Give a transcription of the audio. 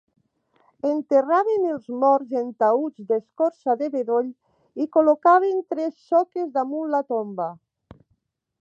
Enterraven els morts en taüts d'escorça de bedoll i col·locaven tres soques damunt la tomba.